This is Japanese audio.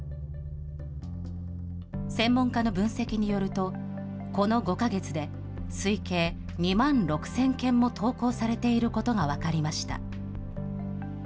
専門家の分析によると、この５か月で推計２万６０００件も投稿されていることが分かりました。